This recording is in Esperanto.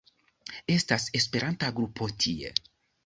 Estas esperanta grupo tie.